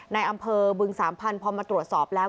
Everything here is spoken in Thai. ในอำเภอบึงสามพันธุ์พอมาตรวจสอบแล้ว